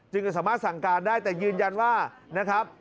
จึงจะสามารถสั่งการได้แต่ยืนยันว่า